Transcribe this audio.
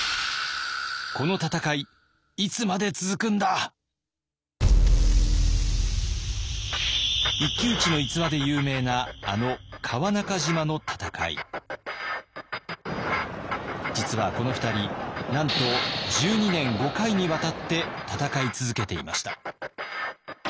この戦い一騎打ちの逸話で有名なあの実はこの２人なんと１２年５回にわたって戦い続けていました。